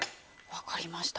わかりました。